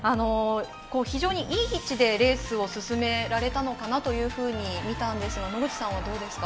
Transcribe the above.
非常にいい位置でレースを進められたのかなというふうに見たんですけど、野口さんはどうですか？